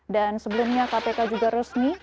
dan sebelumnya kpk juga resmi